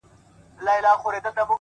د تمرکز ځواک د بریا سرعت زیاتوي.!